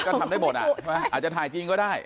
มันก็ทำได้หมดอ่ะอาจจะถ่ายจริงก็ได้